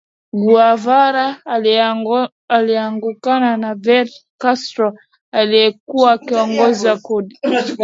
Guevara aliungana na Fidel Castro aliyekuwa akiongoza kundi